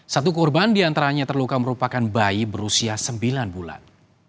satu korban diantaranya terluka merupakan bayi berusia sembilan bulan